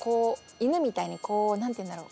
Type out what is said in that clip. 犬みたいにこう何て言うんだろう